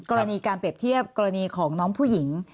กรณีการเปรียบเทียบกรณีของน้องผู้หญิง